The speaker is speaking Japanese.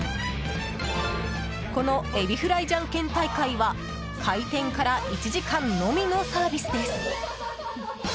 このエビフライジャンケン大会は開店から１時間のみのサービスです。